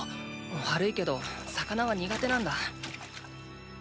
悪いけど魚は苦手なんだ。